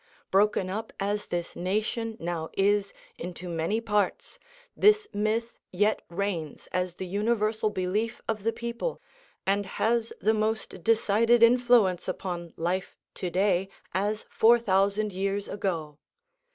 Broken up as this nation now is into many parts, this myth yet reigns as the universal belief of the people, and has the most decided influence upon life to day, as four thousand years ago.